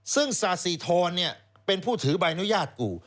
ซึ่งสาธิธรณ์เนี่ยเป็นผู้ถือใบอนุญาตกู